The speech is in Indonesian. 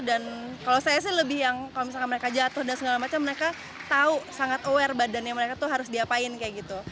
dan kalau saya sih lebih yang kalau misalnya mereka jatuh dan segala macam mereka tahu sangat aware badannya mereka tuh harus diapain kayak gitu